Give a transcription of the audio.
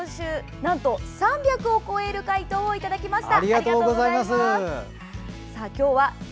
なんと３００を超える回答をいただきました。